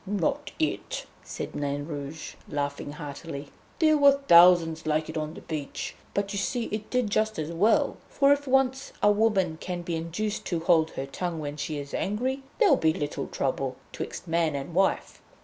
"Not it," said Nain Rouge, laughing heartily, "there were thousands like it on the beach, but you see it did just as well. For if once a woman can be induced to hold her tongue when she is angry, there'll be little trouble 'twixt man and wife.